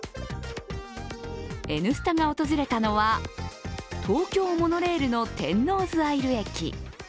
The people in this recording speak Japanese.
「Ｎスタ」が訪れたのは、東京モノレールの天王洲アイル駅。